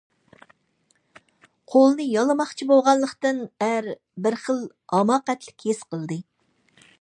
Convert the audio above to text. قولنى يالىماقچى بولغانلىقىدىن ئەر بىر خىل ھاماقەتلىك ھېس قىلدى.